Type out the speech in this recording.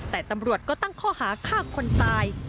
แต่ตำรวจก็ตั้งข้อหาฆ่าคนตาย